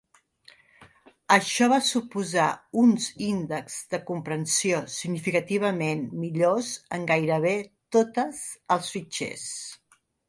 Això va suposar uns índex de compressió significativament millors en gairebé totes els fitxers.